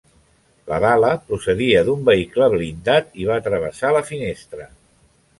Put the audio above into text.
La bala procedia d'un vehicle blindat i va travessar la finestra.